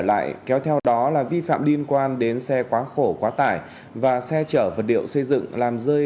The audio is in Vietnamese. lại kéo theo đó là vi phạm liên quan đến xe quá khổ quá tải và xe chở vật liệu xây dựng làm rơi